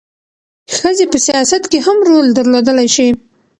ښځې په سیاست کې هم رول درلودلی شي.